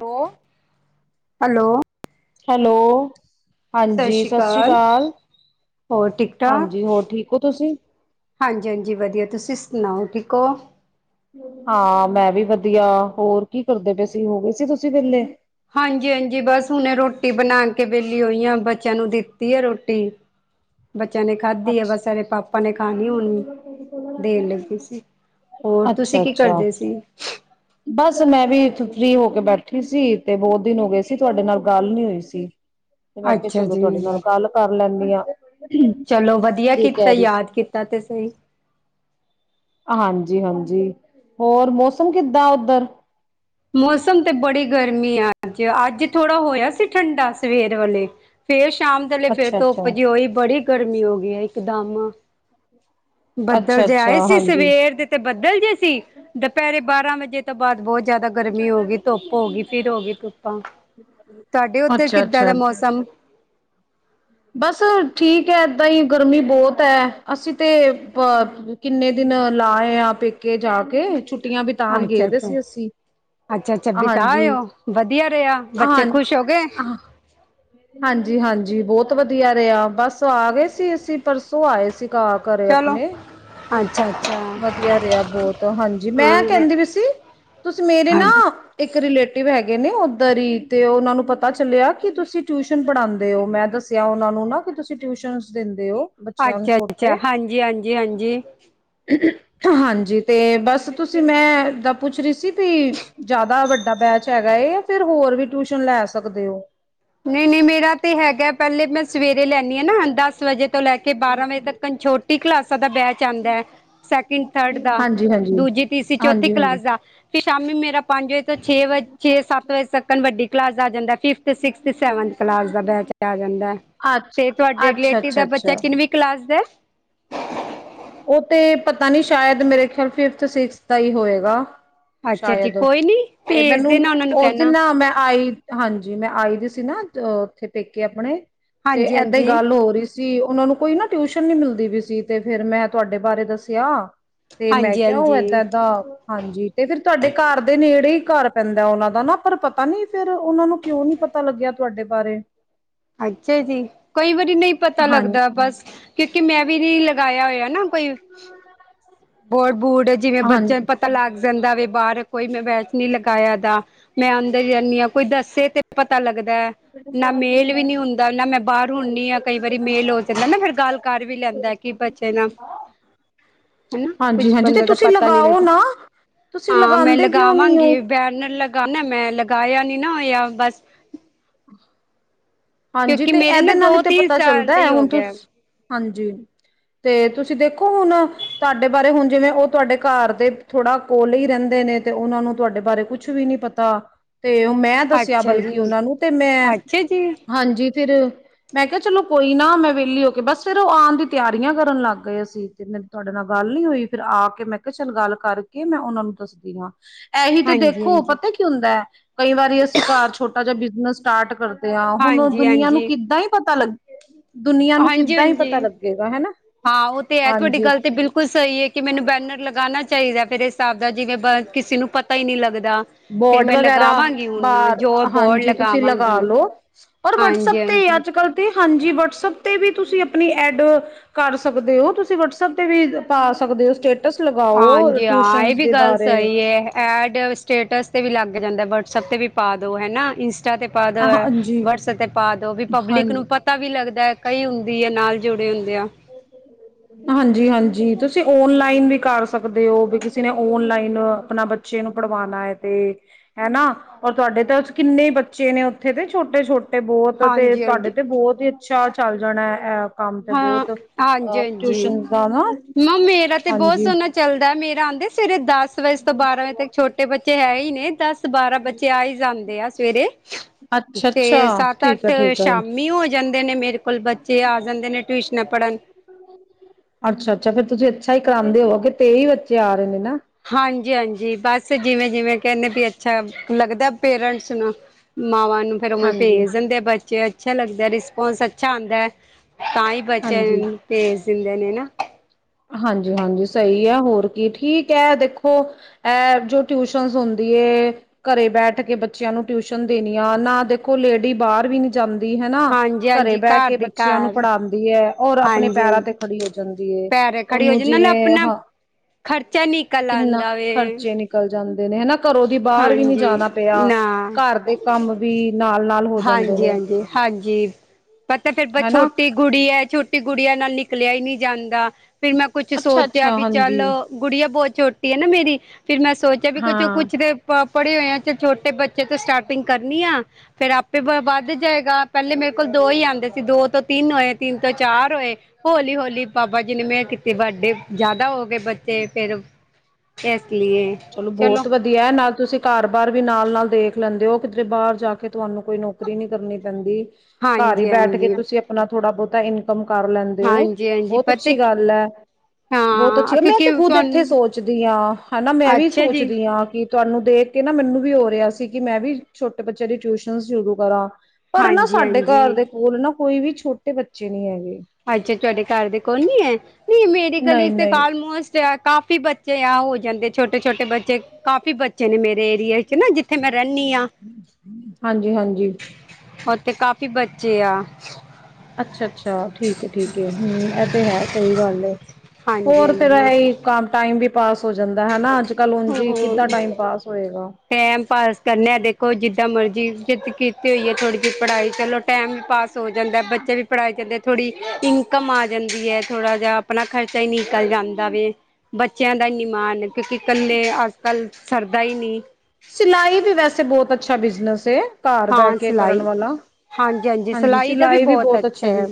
ਦੋ hello hello ਸਤਿ ਹਾਂਜੀ ਸ਼੍ਰੀ ਸਸ਼੍ਰੀ ਅਕਾਲ ਕਾਲ ਹੋਰ ਠੀਕ ਠਾਕ ਹਾਂਜੀ ਹੋਰ ਠੀਕ ਓ ਤੁਸੀਂ ਹਾਂਜੀ, ਹਾਂਜੀ ਵਧੀਆ ਤੁਸੀਂ ਸੁਣਾਓ ਠੀਕ ਓ? ਹਾਂ, ਮੈਂ ਵੀ ਵਧੀਆ, ਹੋਰ ਕੀ ਕਰਦੇ ਪਏ ਸੀ? ਹੋ ਗਏ ਸੀ ਤੁਸੀਂ ਵੇਲੇ। ਹਾਂਜੀ-ਹਾਂਜੀ ਬਸ ਹੁਨੇ ਰੋਟੀ ਬਨਾ ਕੇ ਵੇਹਲੀ ਹੋਈ ਆ, ਬੱਚਿਆਂ ਨੂੰ ਦਿੱਤੀ ਏ ਰੋਟੀ। [inaudible] ਬੱਚਿਆਂ ਨੇ ਖਾਧੀ ਏ, ਬਸ ਅੱਛਾ ਏਦੇ ਪਾਪਾ ਨੇ ਖਾਨੀ ਹੁਨ, ਦੇਨ ਲੱਗੀ ਸੀ। ਹੋਰ, ਤੁਸੀਂ ਅੱਛਾ ਕੀ ਅੱਛਾ ਕਰਦੇ ਸੀ? ਬਸ ਮੈਂ ਵੀ ਇਥੋਂ ਫ੍ਰਰੀ ਹੋ ਕੇ ਬੈਠੀ ਸੀ, ਤੇ ਬੋਹਤ ਦਿਨ ਹੋ ਗਏ ਸੀ। ਤੁਹਾਡੇ ਨਾਲ ਗੱਲ ਨੀ ਹੋਈ ਸੀ। ਤੇ ਮੈਂ ਕੇਆ ਅੱਛਾ ਚਲੋ, ਤੁਹਾਡੇ ਨਾਲ ਜੀ ਗੱਲ ਕਰ ਲੈਂਨੀ ਆ। ਚਲੋ ਵਧੀਆ ਕੀਤਾ ਈ, ਯਾਦ ਕੀਤਾ ਤੇ ਸਹੀ। ਹਾਂਜੀ-ਹਾਂਜੀ ਹੋਰ ਮੌਸਮ ਕਿੱਦਾਂ ਓਧਰ? ਮੌਸਮ ਤੇ ਬੜੀ ਗਰਮੀ ਆ, ਅੱਜ -ਅੱਜ ਥੋੜ੍ਹਾ ਹੋਏਆ ਸੀ। ਠੰਡਾ ਸਵੇਰ ਵੇਲੇ ਫੇਰ ਸ਼ਾਮ ਦਲੇ ਫੇਰ ਅੱਛਾ ਧੁੱਪ ਅੱਛਾ ਜੀ ਹੋਈ, ਬੜੀ ਗਰਮੀ ਹੋ ਗਈ ਆ ਇਕਦਮ। ਬੱਦਲ ਅੱਛਾ ਜੇ ਅੱਛਾ ਆਏ ਸੀ, ਹਾਂਜੀ ਸਵੇਰ ਦੇ ਤੇ ਬੱਦਲ ਜੇ ਸੀ, ਦੁਪੇਹਰੇ ਬਾਰਾਂ ਵਜੇ ਤੋਂ ਬਾਅਦ ਬਹੁਤ ਜੇਆਦਾ ਗਰਮੀ ਹੋ ਗਈ, ਧੁੱਪ ਹੋ ਗਈ ਫਿਰ ਹੋ ਗਈ ਧੁੱਪਾਂ, ਤੁਹਾਡੇ ਉੱਧਰ ਅੱਛਾ ਕਿੱਦਾਂ ਦਾ ਅੱਛਾ ਮੌਸਮ? ਬਸ ਠੀਕ ਏ, ਏਦਾਂ ਹੀ ਗਰਮੀ ਬੋਹਤ ਏ। ਅਸੀਂ ਤੇ ਪ ਕਿੰਨੇ ਦਿਨ ਲਾਏ ਆ, ਪੇਕੇ ਜਾ ਕੇ ਛੁੱਟੀਆਂ ਬਿਤਾਨ ਗਏ ਅੱਛਾ ਦੇ ਅੱਛਾ ਸੀ ਅੱਸੀਂ। ਅੱਛਾ, ਅੱਛਾ ਬਿਤਾ ਆਏ ਓ, ਵਧੀਆ ਰੇਆ ਹਾਂ ਬੱਚੇ ਖ਼ੁਸ਼ ਹੋ ਗਏ। ਹਾਂਜੀ -ਹਾਂਜੀ ਬੋਹਤ ਤ ਵਧੀਆ ਰੇਆ, ਬਸ ਆ ਗਏ ਸੀ। ਅਸੀਂ ਪਰਸੋਂ ਆਏ ਸੀ ਘ ਘਰੇ ਚਲੋ ਅਪਨੇ। ਅੱਛਾ ਅੱਛਾ ਹਾਂ ਵਧੀਆ ਰੇਆ ਬੋਹਤ, ਹਾਂਜੀ ਮੈਂ ਕਹਿੰਦੀ ਵੀ ਸੀ ਤੁਸੀਂ ਮੇਰੇ ਨਾ ਹਾਂਜੀ ਇੱਕ ਰਿਲੇਟਿਵ ਹੈਗੇ ਨੇ, ਉੱਧਰ ਹੀ ਤੇ ਉਹਨਾਂ ਨੂੰ ਪਤਾ ਚੱਲੇਆ। ਕਿ ਤੁਸੀਂ ਟਿਊਸ਼ਨ ਪੜ੍ਹਾਂਦੇ ਓ, ਮੈਂ ਦੱਸ ਸੇਆ, ਉਨ੍ਹਾਂ ਨੂੰ ਨਾ, ਕਿ ਤੁਸੀਂ ਟਿਊਸ਼ਨ ਦਿੰਦੇ ਓ। ਅੱਛਾ, ਅੱਛਾ ਹਾਂਜੀ -ਹਾਂਜੀ- ਹਾਂਜੀ। ਹਾਂਜੀ ਤੇ ਬਸ ਤੁਸੀਂ ਮੈਂ ਓਦਾ ਪੁੱਛ ਰੀ ਸੀ ਵੀ ਜੇਆਦਾ ਵੱਡਾ ਬੈਚ ਹੈਗਾ ਏ, ਜਾਂ ਫੇਰ ਹੋਰ ਵੀ ਟਿਊਸ਼ਨ ਲੈ ਸਕਦੇ ਓ। ਨਈ-ਨਈ ਮੇਰਾ ਤੇ ਹੈਗਾ ਪੇਹਲੇ ਮੈਂ ਸਵੇਰੇ ਲੈਨੀ ਆ ਨਾ, ਦਸ ਵਜੇ ਤੋਂ ਲੈ ਕੇ ਬਾਰਾਂ ਵਜੇ ਤੱਕਨ ਛੋਟੀ ਕਲਾਸਾਂ ਦਾ ਬੈਚ ਆਂ ਦਾ ਸੈਕਿੰਡ -ਥਰਡ ਦਾ, ਹਾਂਜੀ ਹਾਂਜੀ ਦੂਜੀ, ਤੀਸਰੀ, ਚੌਥੀ ਹਾਂਜੀ ਹਾਂਜੀ ਕਲਾਸ ਦਾ। ਫੇਰ ਸ਼ਾਮੀ ਮੇਰਾ ਪੰਜ ਵਜੇ ਤੋਂ ਛੇ ਵਜ, ਛੇ -ਸੱਤ ਵਜੇ ਤੱਕਨ ਵੱਡੀ ਕਲਾਸ ਦਾ ਆ ਜਾਂਦਾ। ਫਿਫਥ- ਸਿਕਸ ਤੇ ਸੈਵੰਥ ਕਲਾਸ ਦਾ ਬੈਚ ਆ ਜਾਂਦਾ, ਅੱਛ ਤੇ ਤੁਹਾਡੇ ਅੱਛਾ ਰਿਲੇਟਿਵ ਅੱਛਾ ਦਾ ਬਚਾ ਅੱਛਾ ਕਿਨਵੀ ਕਲਾਸ ਦਾ। ਓ ਤੇ ਪਤਾ ਨੀ ਸ਼ਾਏਦ, ਮੇਰੇ ਖੇਆਲ ਫਿਫਥ- ਸਿਕਸਥ ਦਾ ਹੀ ਹੋਏਗਾ। ਅੱਛਾ ਜੀ ਸ਼ਾਏਦ ਕੋਈ ਨੀ ਤੇ ਭੇਜ ਮੈਨੂੰ ਦੇਣਾ ਉਹਨਾਂ ਨੂੰ ਉਸ ਦਿਨ ਕਹਿਣਾ ਨਾ ਮੈਂ ਆਈ। ਹਾਂਜੀ, ਮੈਂ ਆਈ ਦੀ ਸੀ ਨਾ ਓ, ਉੱਥੇ ਪੇਕੇ ਆਪਨੇ ਤੇ ਹਾਂਜੀ ਏਦਾਂ ਈ ਹਾਂਜੀ ਗੱਲ ਹੋ ਰਹੀ ਸੀ, ਉਨਾਂ ਨੂੰ ਕੋਈ ਨਾ ਟਿਊਸ਼ਨ ਨੀ ਮਿਲਦੀ ਪਈ ਸੀ, ਤੇ ਫੇਰ ਮੈਂ ਤੁਹਾਡੇ ਬਾਰੇ ਦੱਸਿਆ ਤੇ ਮੈਂ ਹਾਂਜੀ ਕੇਆ, ਓ ਹਾਂਜੀ ਏਦਾਂ -ਏਦਾਂ ਹਾਂਜੀ, ਤੇ ਫੇਰ ਤੁਹਾਡੇ ਘਰ ਦੇ ਨੇੜੇ ਹੀ ਘਰ ਪੈਂਦਾ, ਉਨਾਂ ਦਾ ਨਾ ਪਰ ਪਤਾ ਨੀ ਫੇਰ ਉਨਾਂ ਨੂੰ ਕਿਉਂ ਨੀ ਪਤਾ ਪਤਾ ਲੱਗੇਆ ਤੁਹਾਡੇ ਬਾਰੇ। ਅੱਛਾ ਜੀ, ਕਈ ਵਾਰੀ ਨਈ ਪਤਾ ਹਾਂ ਲੱਗਦਾ ਬਸ ਕਿਉਂਕਿ, ਮੈਂ ਵੀ ਨੀ ਲਗਾਏਆ ਹੋਏਆ ਨਾ ਕੋਈ ਬੋਰਡ-ਬੂਡ ਜਿਵੇਂ ਹਾਂ ਬੱਚਿਆਂ ਨੂੰ ਪਤਾ ਲੱਗ ਜਾਂਦਾ ਵੇ, ਬਾਹਰ ਕੋਈ ਮੈਂ ਬੈਚ ਨੀ ਲਗਾਏਆ ਦਾ। ਮੈਂ ਅੰਦਰ ਈ ਰੈਨੀ ਆਂ, ਕੋਈ ਦੱਸੇ ਤੇ ਪਤਾ ਲੱਗਦਾ। ਨਾ ਮੇਲ ਵੀ ਨੀ ਹੁੰਦਾ ਨਾ, ਮੈਂ ਬਾਹਰ ਹੁੰਨੀ ਆਂ। ਕਈ ਵਾਰੀ ਮੇਲ ਹੋ ਜਾਂਦਾ ਨਾ, ਫੇਰ ਗੱਲ ਕਰ ਵੀ ਲੈਂਦਾ। ਕੀ ਬੱਚੇ ਨਾ ਹਨਾ ਹਾਂਜੀ ਕੁਛ ਹਾਂਜੀ ਤੇ ਬੰਦੇ ਦਾ ਤੁਸੀਂ ਪਤਾ ਨੀ ਲਗਾਓ ਲੱਗਦਾ। ਨਾ ਤੁਸੀਂ ਹਾਂ ਮੈਂ ਲਗਾਉਂਦੇ ਕਿਉਂ ਨੀ ਹੋ ਲਗਾਵਾਂਗੀ ਬੈਨਰ ਲਗਾਨੈ ਮੈਂ ਲਗਾਇਆ ਨੀ ਨਾ ਹੋਆ, ਬਸ ਹਾਂਜੀ ਕਿਉਂਕਿ ਤੇ ਮੇਰੇ ਨਾ ਇਹਦੇ ਨਾਲ ਹੀ ਦੋ ਤੇ ਤਿੰਨ ਪਤਾ ਸਾਲ ਚੱਲਦਾ ਤੇ ਹੈ ਹੀ ਹੋ ਹੁਣ ਤੁਸ ਗਿਆ ਹਾਂਜੀ, ਤੇ ਤੁਸੀਂ ਦੇਖੋ ਹੁਣ ਤੁਹਾਡੇ ਬਾਰੇ ਹੁਣ ਜਿਵੇਂ ਉਹ ਤੁਹਾਡੇ ਘਰ ਦੇ ਥੋੜਾ ਕੋਲੇ ਹੀ ਰਹਿੰਦੇ ਨੇ ਤੇ ਉਹਨਾਂ ਨੂੰ ਤੁਹਾਡੇ ਬਾਰੇ ਕੁਛ ਵੀ ਨੀ ਪਤਾ ਤਾਂ ਤੇ ਉਹ ਮੈਂ ਦੱਸਿਆ ਅੱਛਾ ਬਲਕਿ ਜੀ ਉਹਨਾਂ ਨੂੰ ਤੇ ਮੈਂ ਅੱਛਾ ਜੀ, ਹਾਂਜੀ ਫਿਰ ਮੈਂ ਕਿਹਾ ਚਲੋ ਕੋਈ ਨਾ ਮੈਂ ਵਿਹਲੀ ਹੋ ਕੇ ਬਸ ਫੇਰ ਉਹ ਆਉਣ ਦੀ ਤਿਆਰੀਆਂ ਕਰਨ ਲੱਗ ਗਏ ਸੀ। ਤੇ ਮੈ ਤੁਹਾਡੇ ਨਾਲ ਗੱਲ ਨੀ ਹੋਈ ਫਿਰ ਆ ਕੇ ਮੈਂ ਕਿਹਾ ਚੱਲ ਗੱਲ ਕਰਕੇ ਮੈਂ ਉਹਨਾਂ ਨੂੰ ਦੱਸਦੀ ਆ। ਐਹੀ ਤੇ ਦੇਖੋ ਹਾਂਜੀ-ਹਾਂਜੀ, ਪਤਾ ਕੀ ਹੁੰਦਾ ਹੈ ਕਈ ਵਾਰੀ ਅਸੀਂ ਘਰ ਛੋਟਾ ਜਿਹਾ ਬਿਜਨਸ ਸਟਾਰਟ ਕਰ ਦੇ ਆ ਹੁਣ ਦੁਨੀਆਂ ਨੂੰ ਹਾਂਜੀ-ਹਾਂਜੀ, ਕਿੱਦਾਂ ਹੀ ਪਤਾ ਲੱਗੇ ਹਾਂਜੀ-ਹਾਂਜੀ ਹਾਂ ਉਹ ਤੇ ਹੈ। ਤੁਹਾਡੀ ਹਾਂਜੀ ਗੱਲ ਤੇ ਬਿਲਕੁਲ ਕੁਛ ਸਹੀ ਹੈ ਕਿ ਮੈਨੂੰ ਬੈਨਰ ਲਗਾਣਾ ਚਾਹੀਦੈ ਫੇਰੇ ਹਿਸਾਬ ਦਾ ਜਿਵੇਂ ਬ ਕਿਸੇ ਨੂੰ ਪਤਾ ਹੀ ਨੀ ਲੱਗਦਾ। ਫਿਰ ਬੋਰਡ ਮੈਂ ਵਗੈਰਾ ਲਗਾਵਾਂਗੀ ਹੁਣ ਬਾਰ ਜੋ ਬੋਰਡ ਹਾਂਜੀ ਤੁਸੀਂ ਲਗਾ ਲਗਾਵਾਂਗੀ। ਲਓ ਔਰ ਵਟਸਐਪ ਤੇ ਹਾਂਜੀ-ਹਾਂਜੀ, ਹਾਂਜੀ ਅੱਜ-ਕੱਲ ਤੇ ਹਾਂਜੀ ਵਟਸਪ ਤੇ ਵੀ ਤੁਸੀਂ ਆਪਣੀ ਐਡ ਕਰ ਸਕਦੇ ਹੋ। ਤੁਸੀਂ ਵਟਸਪ ਤੇ ਵੀ ਪਾ ਸਕਦੇ ਹੋ ਸਟੇਟਸ। ਲਗਾਓ ਹਾਂਜੀ ਹਾਂ ਟਿਊਸ਼ਨ ਇਹ ਵੀ ਦੇ ਗੱਲ ਬਾਰੇ ਸਹੀ ਏ। ਐਡ ਸਟੇਟਸ ਤੇ ਵੀ ਲੱਗ ਜਾਂਦੈ, ਵਟਸਐਪ ਤੇ ਵੀ ਪਾਦੋ ਹੈ ਨਾ ਇੰਸ ਟਾ ਤੇ ਪਾ ਦੋ ਹਾਂਜੀ ਵਟਸ ਤੇ ਪਾ ਦੋ ਵੀ ਪਬਲਿਕ ਨੂੰ ਹਾਂਜੀ ਪਤਾ ਪਤਾ ਵੀ ਲੱਗਦਾ ਕਈ ਹੁੰਦੀ ਹੈ ਨਾਲ ਜੁੜੇ ਹੁੰਦੇ ਆ। [inaudible] ਹਾਂਜੀ-ਹਾਂਜੀ ਤੁਸੀਂ ਓਨਲਾਈਨ ਵੀ ਕਰ ਸਕਦੇ ਹੋ। ਬੀ ਕਿਸੇ ਨੇ ਓਨਲਾਈਨ ਆਪਣਾ ਬੱਚੇ ਨੂੰ ਪੜ੍ਹਵਾਉਣਾ ਹੈ ਤੇ ਹੈਨਾ ਔਰ ਤੁਹਾਡੇ ਤਾਂ ਕਿੰਨੇ ਬੱਚੇ ਨੇ ਉੱਥੇ ਤੇ ਛੋਟੇ-ਛੋਟੇ ਤੇ ਬਹੁਤ ਤੇ ਤੁਹਾਡੇ ਹਾਂਜੀ-ਹਾਂਜੀ ਤੇ ਬਹੁਤ ਹੀ ਅੱਛਾ ਚੱਲ ਜਾਣਾ ਐ ਕੰਮ ਤੇ ਹਾਂ ਬਹੁਤ। ਹਾਂਜੀ-ਹਾਂਜੀ। ਟਿਊਸ਼ਨ ਦਾ ਨਾ ਨ ਮੇਰਾ ਤੇ ਬਹੁਤ ਹਾਂਜੀ ਸੋਹਣਾ ਚੱਲਦੈ। ਮੇਰਾ ਆਦੇ ਸਵੇਰੇ ਦਸ ਵਜੇ ਤੋਂ ਬਾਰਾਂ ਵਜੇ ਤੱਕ ਛੋਟੇ ਬੱਚੇ ਹੈ ਹੀ ਨੇ ਦਸ ਬਾਰਾਂ ਬੱਚੇ ਆ ਹੀ ਜਾਂਦੇ ਆ ਸਵੇਰੇ ਅੱਛਾ-ਅੱਛਾ ਤੇ ਸੱਤ ਠੀਕ ਅੱਠ ਹੈ-ਠੀਕ ਹੈ ਸ਼ਾਮੀ ਹੋ ਜਾਂਦੇ ਨੇ ਮੇਰੇ ਕੋਲ ਬੱਚੇ ਆ ਜਾਂਦੇ ਨੇ ਟਿਊਸ਼ਨਾਂ ਪੜ੍ਹਨ। ਅੱਛਾ-ਅੱਛਾ ਫੇਰ ਤੁਸੀਂ ਅੱਛਾ ਹੀ ਕਰਾਉਂਦੇ ਹੋਵੋਗੇ ਤੇਈ ਬੱਚੇ ਆ ਰਹੇ ਨੇ ਨਾ। ਹਾਂਜੀ-ਹਾਂਜੀ, ਬਸ ਜਿਵੇਂ-ਜਿਵੇਂ ਕਹਿੰਣੇ ਬੀ ਅੱਛਾ ਲੱਗਦਾ ਪੇਰੈਂਟਸ ਨੂੰ ਮਾਵਾਂ ਨੂੰ। ਫੇਰ ਉਵੇਂ ਭੇਜ ਹਾਂਜੀ-ਹਾਂਜੀ ਦਿੰਦੇ ਬੱਚੇ ਅੱਛਾ ਲੱਗਦਾ ਰਿਸਪੋਂਸ ਅੱਛਾ ਆਉਂਦਾ ਹੈ ਤਾਂ ਹੀ ਬੱਚਿਆਂ ਨੂੰ ਭੇਜ ਦਿੰਦੇ ਨੇ ਨਾ। ਹਾਂਜੀ-ਹਾਂਜੀ ਸਹੀ ਐ ਹੋਰ ਕੀ ਠੀਕ ਹੈ ਦੇਖੋ ਇਹ ਜੋ ਟਿਊਸ਼ਨਸ ਹੁੰਦੀ ਏ ਘਰੇ ਬੈਠ ਕੇ ਬੱਚਿਆਂ ਨੂੰ ਟਿਊਸ਼ਨ ਦੇਣੀ ਆ ਨਾ ਦੇਖੋ ਲੇਡੀ ਬਾਹਰ ਵੀ ਨੀ ਜਾਂਦੀ ਹੈਨਾ, ਘਰੇ ਹਾਂਜੀ-ਹਾਂਜੀ ਬਹਿ ਘਰ ਕੇ ਦੀ ਬੱਚਿਆਂ ਨੂੰ ਘਰ ਪੜ੍ਹਾ ਦੀਏ ਔਰ ਆਪਣੇ ਪੈਰਾਂ ਤੇ ਹਾਂਜੀ-ਹਾਂਜੀ ਖੜੀ ਹੋ ਜਾਂਦੀ ਏ। ਪੈਰ ਖੜੀ ਹੋ ਉਹਨੂੰ ਜਾ ਨਾਲ ਜਿਵੇਂ ਆਪਣਾ ਹਾਂ, ਖਰਚਾ ਨਿਕਲ ਕਿੰਨਾ ਆਂਦਾ ਵੇ ਖਰਚੇ ਨਿਕਲ ਜਾਂਦੇ ਨੇ ਹਨਾ। ਘਰੋਂ ਦੀ ਬਾਹਰ ਵੀ ਨੀ ਹਾਂਜੀ ਜਾਣਾ ਪਿਆ ਨਾ ਘਰ ਦੇ ਕੰਮ ਵੀ ਨਾਲ-ਨਾਲ ਹੋ ਜਾਂਦੇ ਹਾਂਜੀ ਨੇ ਹਾਂਜੀ ਹਨਾ। ਗੁੜੀਐ ਹੈ ਛੋਟੀ ਗੁੜੀਆਂ ਨਾਲ ਨਿਕਲਿਆ ਹੀ ਨਹੀਂ ਜਾਂਦਾ। ਫਿਰ ਮੈਂ ਕੁੱਛ ਸੋਚਿਆ ਅੱਛਾ-ਅੱਛਾ ਬੀ ਚੱਲ ਹਾਂਜੀ ਗੁੜੀਆ ਬਹੁਤ ਛੋਟੀ ਹੈ ਨਾ ਮੇਰੀ ਫਰ ਮੈਂ ਸੋਚਿਆ ਵੀ ਹਾਂ। ਕੁੱਛ ਦੇ ਪੜ੍ਹੇ ਹੋਏ ਆ ਚ ਛੋਟੇ ਬਚੇ ਤ ਸਟਾਰਟਿੰਗ ਕਰਨੀ ਆ। ਫੇਰ ਆਪੇ ਵੱਧ ਜਾਏਗਾ। ਪਹਿਲੇ ਮੇਰੇ ਕੋਲ ਦੋ ਹੀ ਆਉਂਦੇ ਸੀ ਦੋ ਤੋਂ ਤਿੰਨ ਹੋਏ ਤਿੰਨ ਤੋਂ ਚਾਰ ਹੋਏ। ਹੋਲੀ-ਹੋੌਲੀ ਬਾਬਾ ਜੀ ਨੇ ਮੈਂ ਕੀਤੀ ਵੱਡੇ ਜ਼ਿਆਦਾ ਹੋ ਗਏ ਬੱਚੇ। ਫੇਰ ਐਸ ਲੀਏ। ਚਲੋ ਬੋਤ ਵ ਦੀਆ ਨਾਲ ਤੁਸੀਂ ਕਾਰ-ਬਾਰ ਵੀ ਨਾਲ ਨਾਲ ਦੇਖ ਲੈਂਦੇ ਹੋ ਕੀਦਰੇ ਬਾਰ ਜਾ ਕੇ ਧੁਆਨੂੰ ਕੋਈ ਨੌਕਰੀ ਨੀ ਕਰਨੀ ਪੈਂਦੀ। ਘਰ ਈ ਹਾਂਜੀ ਬੈਠ ਕੇ ਹਾਂਜੀ ਤੁਸੀਂ ਆਪਣਾ ਥੋੜਾ-ਬੌਤਾ ਇਨਕਮ ਕਰ ਲੈਂਦੇ ਓ, ਹਾਂਜੀ ਹਾਂਜੀ ਬਹੁਤ ਪਤਾ ਅੱਛੀ ਗੱਲ ਐ। ਬਹੁਤ ਅੱਛੀ ਹਾਂ ਗ ਮੈਂ ਕਿਉਂਕਿ ਤੇ ਖੁਦ ਐਥੇ ਤੁਹਾਨੂੰ ਸੋਚਦੀ ਆਂ, ਹਨਾ ਮੈਂ ਵੀ ਅੱਛਾ ਜੀ ਸੋਚਦੀ ਆਂ, ਕੀ ਧੁਆਨੂੰ ਦੇਖ ਕੇ ਨਾ ਮੈਨੂੰ ਵੀ ਹੋ ਰੇਆ ਸੀ ਕੀ ਮੈਂ ਵੀ ਛੋਟੇ ਬੱਚੇਆਂ ਦੀ ਟੀਊਸ਼ਨ ਸ਼ੁਰੂ ਕਰਾਂ। ਪਰ ਨਾ ਹਾਂਜੀ ਸਾਡੇ ਘਰ ਹਾਂਜੀ ਦੇ ਕੋਲ ਨਾ ਕੋਈ ਵੀ ਛੋਟੇ ਬੱਚੇ ਨਈ ਹੈਗੇ। ਅੱਛਾ ਧਾਡੇ ਘਰ ਦੇ ਕੋ ਨੀ ਐ, ਨੀ ਮੇਰੀ ਗਲੀ ਨਹੀਂ ਤੇ ਨਹੀਂ ਕਾਲਮੋਸ ਚ ਕਾਫੀ ਬੱਚੇ ਆ ਹੋ ਜਾਂਦੇ ਛੋਟੇ-ਛੋਟੇ ਬੱਚੇ ਕਾਫੀ ਬੱਚੇ ਨੇ ਮੇਰੇ ਏਰੀਏ ਚ ਨਾ ਜੀ ਥੇ ਮੈਂ ਰੈਂਨੀ ਆਂ, ਹਾਂਜੀ ਹਾਂਜੀ ਓਥੇ ਕਾਫੀ ਬੱਚੇ ਆ। ਅੱਛਾ-ਅੱਛਾ ਠੀਕ ਏ ਠੀਕ ਏ ਹੂੰ ਐ ਤੇ ਹੈ ਸਈ ਗੱਲ ਏ, ਹਾਂਜੀ ਹੋਰ ਫੇਰ ਹਾਂਜੀ ਐਈ ਕਾਮ ਟਾਈਮ ਵੀ ਪਾਸ ਹੋ ਜਾਂਦਾ ਹਨਾ ਅੱਜ-ਕੱਲ ਉਂਜ ਈ ਕਿਦਾਂ ਹੋਰ ਟਾਈਮ ਪਾਸ ਹੋਏਗਾ। ਟੈਮ ਪਾਸ ਕਰਨੇ ਆ ਦੇਖੋ ਜਿਦਾਂ ਮਰਜ਼ੀ, ਜਿਦ ਕੀਤੀ ਹੋਈ ਹੈ ਥੋੜੀ ਜੀ ਪੜਾਈ ਚਲੋ ਟਾਈਮ ਵੀ ਪਾਸ ਹੋ ਜਾਂਦਾ ਬੱਚੇ ਵੀ ਪੜਾਏ ਜਾਂਦੇ ਥੋੜੀ ਇਨਕਮ ਆ ਜਾਂਦੀ ਏ ਥੋੜਾ ਜੇਆ ਆਪਣਾ ਖਰਚਾ ਈ ਨੀਕਲ ਜਾਂਦਾ ਵੇ, ਬੱਚੇਆਂ ਦਾ ਨੀ ਮਾਨ। ਕੋਉਂਕੀ ਕੇ ਅੱਜ-ਕੱਲ ਸਰਦਾ ਈ ਨੀ। ਸੀਲਾਈ ਵੀ ਵੈਸੇ ਬਹੁਤ ਅੱਛਾ ਬਿਜਨਸ ਏ। ਘਰ ਬੈ ਹਾਂ ਕੇ ਕਰਨ ਸਿਲਾਈ ਵਾਲਾ, ਹਾਂਜੀ ਸਿਲਾਈ ਵੀ ਬੋਤ ਅੱਛਾ ਬੀ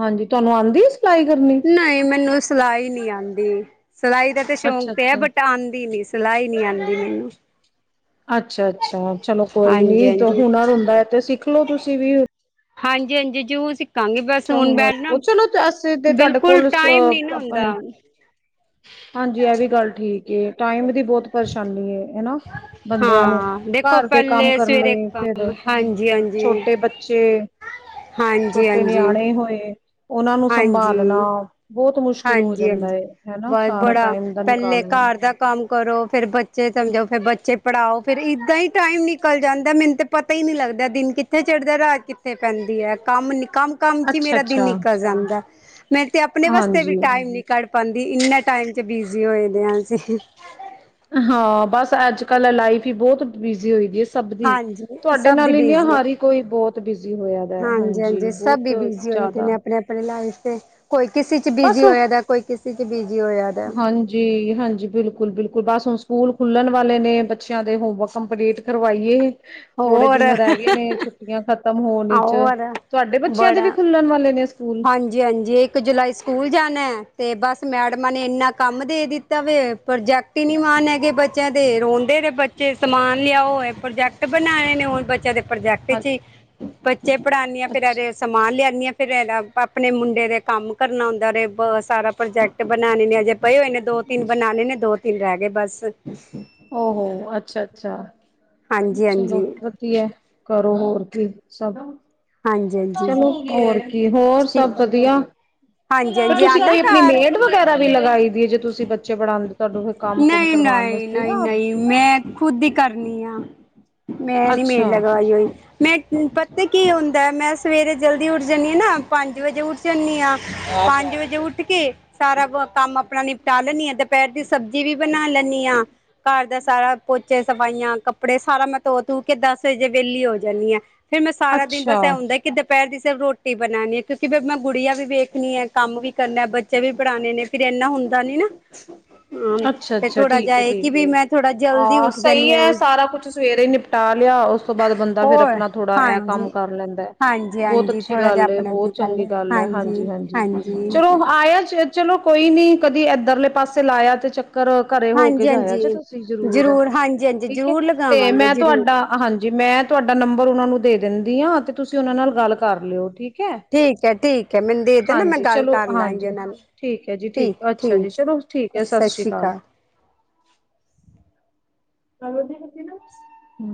ਹਾਂਜੀ ਤੁਆਨੂੰ ਆਂਦੀ ਲਾਈ ਕਰਨੀ। ਨਈ ਮੈਨੂੰ ਸਿਲਾਈ ਨਈ ਆਂਦੀ, ਸਿਲਾਈ ਦਾ ਤੇ ਅੱਛਾ ਸ਼ੌਂਕ ਤੇ ਐਂ ਅੱਛਾ। ਬਟ ਆਂਦੀ ਨੀ। ਲਾਈ ਨੀ ਆਂਦੀ ਮੈਨੂੰ। ਅੱਛਾ-ਅੱਛਾ ਚਲੋ ਕੋਈ ਹਾਂਜੀ ਨੀ ਤੋ ਹਾਂਜੀ ਹੁਨਰ ਹੁੰਦਾ ਐ ਤੇ ਸਿਖਲੋ ਤੁਸੀਂ ਵੀ। ਹਾਂਜੀ ਹਾਂਜੀ ਜੂਲ ਸੀ ਅੱਛਾ ਹੁਣ, ਓ ਚਲੋ ਅਸੀ ਤੇ ਧਾਡੇ ਬਿਲਕੁਲ ਕੋਲ ਸ ਟਾਈਮ ਨੀ ਨਾ ਹੁੰਦਾ ਅਪਨੇ ਹਾਂਜੀ ਐ ਵੀ ਗੱਲ ਠੀਕ ਏ, ਟਾਈਮ ਦੀ ਬਹੁਤ ਪਰੇਸ਼ਾਨੀ ਹਨਾ ਬੰਦੇਆਂ ਨੂੰ ਹਾਂ ਦੇਖੋ ਘਰ ਦੇ ਪਹਿਲੇ ਕੰਮ ਕਰਨੇ ਸਵੇਰੇ ਕੰਮ ਫੇਰ, ਹਾਂਜੀ ਹਾਂਜੀ ਹਾਂਜੀ ਛੋਟੇ ਬੱਚੇ। ਹਾਂਜੀ। ਛੋਟੇ ਹਾਂਜੀ ਨਿਆਣੇ ਹੋਏ, ਓਨਾਂ ਨੂੰ ਹਾਂਜੀ ਸੰਭਾਲਣਾ। ਬਹੁਤ ਮੁਸ਼ਕਿਲ ਹੋ ਹਾਂਜੀ ਜਾਂਦਾ ਏ, ਹੈਨਾ ਬਹੁਤ ਸਾਰਾ ਬੜਾ ਟਾਈਮ ਦਾ ਪਹਿਲੇ ਨੀਕਾਲਣਾ। ਘਰ ਦਾ ਕੰਮ ਕਰੋ ਫੇਰ ਬੱਚੇ ਚਮਜੋ ਫੇਰ ਬੱਚੇ ਪੜਾਓ ਫੇਰ ਈਦਾਂ ਈ ਟਾਈਮ ਨਿਕਲ ਜਾਂਦਾ ਮੇਨੂੰ ਤੇ ਪਤਾ ਈ ਨੀ ਲੱਗਦਾ ਦਿਨ ਕਿਥੇ ਚੜਦਾ ਰਾਤ ਕਿਥੇ ਪੈਂਦੀ ਐ ਕੰਮ ਨੀ ਕੰਮ ਕੰਮ ਚ ਅੱਛਾ ਮੇਰਾ ਦਿਨ ਅੱਛਾ ਨਿਕਲ ਜਾਂਦਾ ਐ, ਮੈਂ ਤੇ ਅਪਨੇ ਵਸ ਹਾਂਜੀ ਨੀ ਕਾਡ ਪਾਂਦੀ ਈਨਾ ਟਾਈਮ ਚ ਬਿਜੀ ਹੋਏ ਦੇਆ ਅਸੀਂ। ਹਾਂ ਬਸ ਅੱਜ-ਕੱਲ ਲਾਈਫ ਈ ਬਹੁਤ ਬਿਜੀ ਹੋਈ ਦੀ ਸਭ ਦੀ, ਹਾਂਜੀ ਤੁਆਡੇ ਸਭ ਦੀ ਨਾਲ ਈ ਨੀ ਆ ਬਿਜ਼ੀ ਹੈ ਹਾਰੀ ਕੋਈ ਬਹੁਤ ਬਿਜੀ ਹੋਏਆ ਦਾ ਹਾਂਜੀ ਬੋਤ ਜਾ ਏਨੇ ਆਪਣੇ-ਆਪਣੇ ਲਾਈਫ ਤੇ ਕੋਈ ਕਿਸੇ ਚ ਬਸ ਬਿਜੀ ਹੋਆ ਦਾ ਕੋਈ ਕਿਸੇ ਚ ਬਿਜੀ ਹੋਏਆ ਦਾ। ਹਾਂਜੀ, ਹਾਂਜੀ ਬਿਲਕੁਲ-ਬਿਲਕੁਲ ਬਸ ਹੁਣ ਸਕੂਲ ਖੁੱਲਣ ਵਾਲੇ ਨੇ ਬੱਚੇਆਂ ਦੇ ਹੋਮਵਰਕ ਕੰਪਲੀਟ ਕਰਵਾਈਏ ਥੋੜੇ ਹੋਰ ਦਿਨ ਰੈ ਗਏ ਨੇ ਛੁੱਟੀਆਂ ਖਤਮ ਹੋਣ ਈਚ। ਹੋਰ ਤੁਹਾਡੇ ਬੱਚੇਆਂ ਦੇ ਵੀ ਖੁੱਲਣ ਵਾਲੇ ਨੇ ਸਕੂਲ? ਹਾਂਜੀ-ਹਾਂਜੀ ਇਕ ਜੁਲਾਈ ਸਕੂਲ ਜਾਨੈ, ਤੇ ਬਸ ਮੈਡਮਾਂ ਨੇ ਐਨਾ ਕੰਮ ਦੇ ਦੇ ਤਾ ਵੇ, ਪ੍ਰੋਜੈਕਟ ਈ ਨੀ ਮਾਨ ਹੈਗੇ ਬੱਚੇਆਂ ਦੇ, ਰੋਂਦੇ ਨੇ ਬੱਚੇ ਸਮਾਨ ਲੇਆਓ ਐ ਪ੍ਰੋਜੈਕਟ ਤੇ ਬਨਾਏ ਨੇ ਹੋਰ ਬੱਚੇਆਂ ਦੇ ਪ੍ਰੋਜੈਕਟ ਹਾਂ ਚ ਈ ਬੱਚੇ ਪੜਾਨੀਆ ਫੇਰ ਅੱਛ ਏਦੇ ਸਮਾਨ ਲੇਆਦੀ ਆਂ ਫੇਰ ਏਦਾ ਆਪਣੇ ਮੁੰਡੇ ਦੇ ਕੰਮ ਕਰਨਾ ਹੁੰਦਾ ਵੇ ਬਾ ਸਾਰਾ ਪ੍ਰੋਜੈਕਟ ਬਣਾਣੇ ਨੇ ਅਜੇ ਪਏ ਹੋਏ ਨੇ ਦੋ-ਤਿੰਨ ਬਨਾਣੇ ਨੇ, ਦੋ-ਤਿੰਨ ਰੈ ਗੇ ਬਸ। ਓਹੋ ਅੱਛਾ, ਅੱਛਾ। ਹਾਂਜੀ ਚਲੋ। ਹਾਂਜੀ ਕੀ ਐ, ਕਰੋ ਹੋਰ ਕੀ ਸਭਾ ਹਾਂਜੀ। ਹਾਂਜੀ ਜੀ ਚਲੋ ਹੋਰ ਕੀ। ਹੋਰ ਸਭ ਠੀਕ ਵਧੀਆ। ਹਾਂਜੀ ਪਰ ਹਾਂਜੀ ਤੁਸੀਂ ਆਨਾ ਕੋਈ ਆਪਣੀ ਘਰ ਮੇਡ ਵ ਘਰਆਲੀ ਲਗਾਈ ਦੀਏ ਜੇ ਤੁਸੀਂ ਬੱਚੇ ਪੜਾਂਦੇ, ਤੁਆਡੇ ਫਿਰ ਕੰਮ-ਕੁਮ ਨਹੀਂ ਕਰਵਾਣ ਨਹੀਂ ਵਾਸਤੇ ਨਹੀਂ ਨਾਂ ਨਹੀਂ ਮੈਂ ਖੁਦ ਈ ਕਰਨੀ ਆਂ। ਮੈਂ ਨੀਂ ਮੇਡ ਅੱਛਾ ਲਗਾਈ ਹੋਈ। ਮੈਂ ਪਤਾ ਕੀ ਹੁੰਦਾ, ਮੈਂ ਸਵੇਰੇ ਜਲਦੀ ਉੱਠ ਜਾਂਣੀ ਆਂ ਨਾਂ, ਪੰਜ ਵਜੇ ਉੱਠ ਜਾਂਣੀ ਆਂ। ਪੰਜ ਵਜੇ ਉੱਠ ਕੇ ਸਾਰਾ ਕੰਮ ਆਪਣਾ ਨਿਪਟਾ ਲੈਣੀ ਆਂ ਦ ਦਪੈਰ ਦੀ ਸਬਜ਼ੀ ਵੀ ਬਣਾ ਲੈਂਣੀ ਆਂ। ਘਰ ਦਾ ਸਾਰਾ ਪੋਚੇ ਸਫਾਈਆਂ ਕੱਪੜੇ ਸਾਰਾ ਮੈਂ ਧੋ-ਧੂ ਕੇ ਦਸ ਵਜੇ ਵੇਲੀ ਹੋ ਜਾਂਣੀ ਆਂ। ਫਿਰ ਮੈਂ ਸਾਰਾ ਦਿਨ ਅੱਛਾ ਬਸ ਏ ਹੁੰਦਾ ਕਿ ਦਪੈਰ ਦੀ ਸਿਰਫ ਰੋਟੀ ਬਣਾਣੀ ਕਿਉਂਕਿ ਮੈਂ ਗੁੜੀਆਂ ਵੀ ਵੇਖਣੀ ਐਂ, ਕੰਮ ਵੀ ਕਰਨਾ। ਬੱਚ ਬੱਚੇ ਵੀ ਪੜ੍ਹਾਣੇ ਨੇ ਫਿਰ ਇੰਨਾ ਹੁੰਦਾ ਨੀਂ ਨਾਂ [inaudible] ਅੱਛਾ ਅੱਛਾ, ਠੀਕ ਐ, ਇਹ ਕਿ ਠੀਕ ਵੀ ਐ। ਮੈਂ ਥੋੜਾ ਜਲਦੀ ਆ ਉੱਠ ਸਹੀ ਜਾਂਦੀ ਐ ਹਾਂ ਸਾਰਾ ਕੁਛ ਸਵੇਰੇ ਨਿਪ ਪਟਾ ਲਿਆ। ਉਸ ਤੋਂ ਬਾਅਦ ਬੰਦਾ ਫਿਰ ਹੋਰ ਆਪਣਾ ਥੋੜਾ ਐ ਕੰਮ ਹਾਂਜੀ ਕਰ ਲੈਂਦਾ। ਹਾਂਜੀ ਬੋਤ ਹਾਂਜੀ ਅੱਛੀ ਥੋੜਾ ਜਿਹਾ ਗੱਲ ਏ ਆਪਣਾ ਤੇ ਬੋਤ ਚੰਗੀ ਗੱਲ ਐ, ਹਾਂਜੀ ਹਾਂਜੀ। ਚਲੋ ਮ ਆਇਆ, ਚਲੋ ਕੋਈ ਨ੍ਹੀਂ ਕਦੀ ਇੱਧਰਲੇ ਪਾਸੇ ਲਾਇਆ ਤੇ ਚੱਕਰ ਘਰੇ ਹੋ ਕੇ ਹਾਂਜੀ ਜਾਇਆ ਹਾਂਜੀ ਜੇ ਤੁਸੀਂ ਜ਼ਰੂਰ। ਹਾਂਜੀ ਹਾਂਜੀ ਠੀਕ ਐ ਜ਼ਰੂਰ ਤੇ ਲਗਾਵਾਂਗੇ ਮੈਂ ਜ਼ਰੂਰ ਤੁਆਡਾ ਹਾਂਜੀ, ਮੈਂ ਤੁਆਡਾ ਨੰਬਰ ਓਨਾਂ ਨੂੰ ਦੇ ਦਿੰਦੀ ਆਂ ਤੇ ਤੁਸੀਂ ਓਨਾਂ ਨਾਲ ਗੱਲ ਕਰ ਲਿਓ। ਠੀਕ ਠੀਕ ਹੈ ਠੀਕ ਹੈ ਮੈਨੂੰ ਦੇ ਦੇਣਾ ਮੈਂ ਹਾਂਜੀ ਐ, ਗੱਲ ਚਲੋ ਕਰ ਲਾਂਗੀ ਹਾਂਜੀ। ਉਹਨਾਂ ਨਾਲ ਠੀਕ ਐ, ਜੀ ਠੀਕ। ਅੱਛਾ ਜੀ, ਚਲੋ ਠੀਕ ਐ। ਸਤਿ ਸ਼੍ਰੀ ਅਕਾਲ। [inaudible]